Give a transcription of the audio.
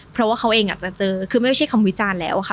เพราะว่าเขาเองจะเจอคือไม่ใช่คำวิจารณ์แล้วค่ะ